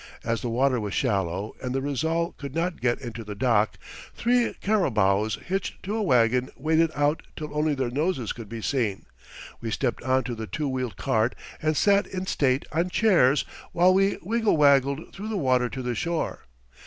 As the water was shallow and the Rizal could not get into the dock, three carabaos hitched to a wagon waded out till only their noses could be seen; we stepped on to the two wheeled cart and sat in state on chairs while we wiggle waggled through the water to the shore.